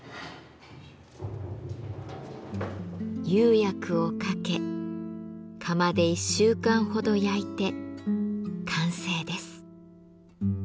釉薬をかけ窯で１週間ほど焼いて完成です。